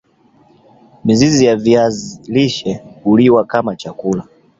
mizizi ya viazi lishe huliwa kama chakula